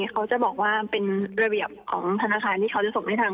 เขาจะบอกว่าเป็นระเบียบของธนาคารที่เขาจะส่งให้ทาง